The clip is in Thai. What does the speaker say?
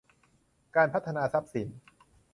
การพัฒนาทรัพย์สิน